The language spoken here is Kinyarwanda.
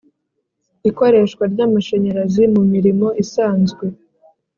Ikoreshwa ry’amashanyarazi mu mirimo isanzwe